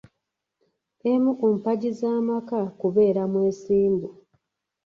Emu ku mpagi z’amaka kubeera mwesimbu.